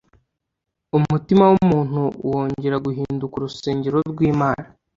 umutima w'umuntu wongera guhinduka urusengero rw'Imana.